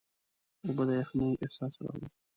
اوبه د یخنۍ احساس راوړي.